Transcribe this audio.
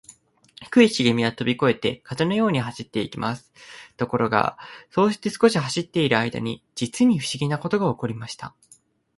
低いしげみはとびこえて、風のように走っていきます。ところが、そうして少し走っているあいだに、じつにふしぎなことがおこりました。